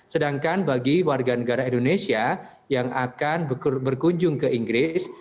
sedangkan bagi warga negara indonesia yang akan berkunjung ke inggris